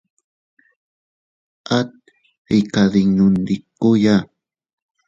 At iykaddinnundikuya.